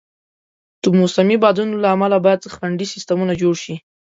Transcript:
د موسمي بادونو له امله باید خنډي سیستمونه جوړ شي.